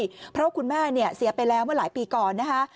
เพราะว่าคุณแม่เนี่ยเสียไปแล้วเมื่อหลายปีก่อนนะคะ